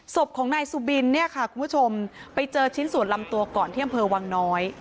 ศพของนายสุบินเนี่ยค่ะคุณผู้ชมไปเจอชิ้นส่วนลำตัวก่อนที่อำเภอวังน้อย